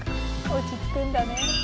「落ち着くんだね」